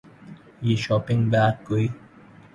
یہ shopping bag کوئی